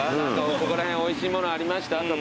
ここら辺おいしいものありました？とか。